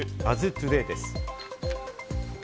トゥデイです。